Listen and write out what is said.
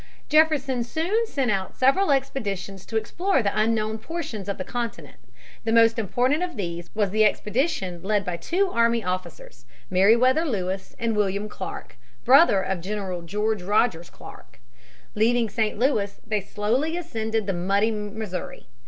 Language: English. Jefferson soon sent out several expeditions to explore the unknown portions of the continent. The most important of these was the expedition led by two army officers, Meriwether Lewis and William Clark, brother of General George Rogers Clark (p. 116). Leaving St. Louis they slowly ascended the muddy Missouri.